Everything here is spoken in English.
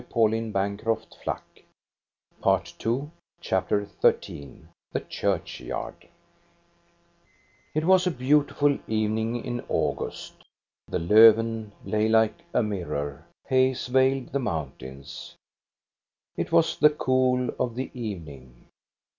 3 so THE STORY OF GOSTA BERLING CHAPTER XIII THE CHURCHYARD It was a beautiful evening in August. The Lofven lay like a mirror, haze veiled the mountains, it was the cool of the evening.